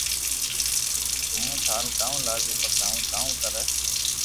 ھون ٿاري ڪاوُ لاگو پسي ھون ڪاو ڪري